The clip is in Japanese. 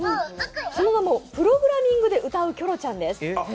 その名も、プログラミングで歌うキョロちゃんです。